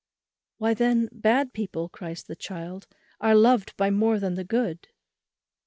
"Why then, bad people," cries the child, "are loved by more than the good."